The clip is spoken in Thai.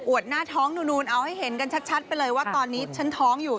หน้าท้องนูนเอาให้เห็นกันชัดไปเลยว่าตอนนี้ฉันท้องอยู่